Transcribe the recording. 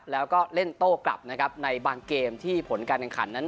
แล้วก็เล่นโต้กลับนะครับในบางเกมที่ผลการแข่งขันนั้น